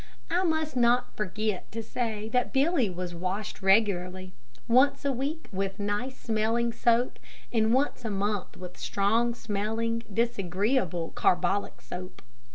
I must not forget to say that Billy was washed regularly once a week with nice smelling soap and once a month with strong smelling, disagreeable, carbolic soap.